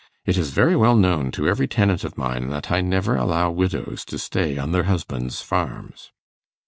It is very well known to every tenant of mine that I never allow widows to stay on their husbands' farms.